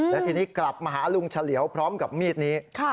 และทีนี้กลับมาหาลุงเฉลียวพร้อมกับมีดนี้